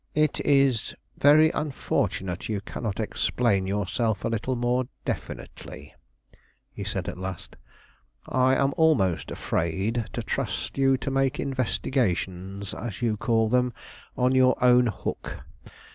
"It is very unfortunate you cannot explain yourself a little more definitely," he said at last. "I am almost afraid to trust you to make investigations, as you call them, on your own hook.